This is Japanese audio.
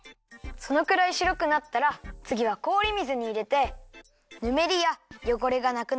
そのくらいしろくなったらつぎはこおり水にいれてぬめりやよごれがなくなるようにてであらいます。